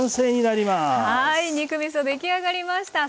はい肉みそ出来上がりました。